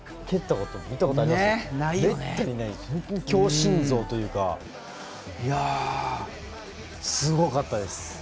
強心臓というかすごかったです。